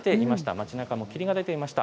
町なかも霧が出ていました。